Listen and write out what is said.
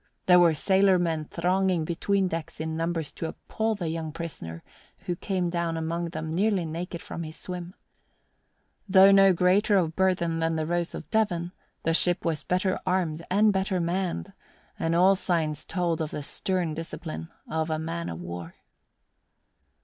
There were sailormen thronging between decks in numbers to appall the young prisoner who came down among them nearly naked from his swim. Though no greater of burthen than the Rose of Devon, the ship was better armed and better manned, and all signs told of the stern discipline of a man of war.